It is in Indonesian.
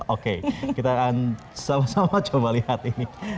oke kita akan sama sama coba lihat ini